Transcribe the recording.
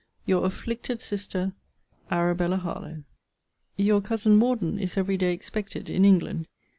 Your afflicted sister, ARABELLA HARLOWE. Your cousin Morden is every day expected in England.